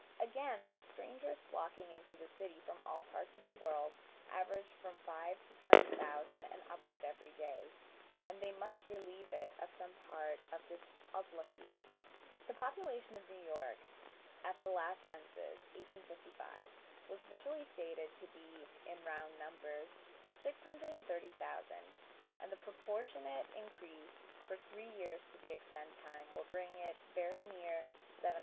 Again, the strangers flocking into this city from all parts of the world average from five to twenty thousand and upward every day, and they must relieve it of some part of this obloquy. The population of New York at the last census (1855) was officially stated to be (in round numbers) 630,000, and the proportionate increase for three years to the present time will bring it very near 700,000.